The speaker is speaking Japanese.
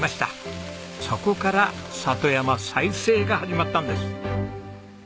そこから里山再生が始まったんです。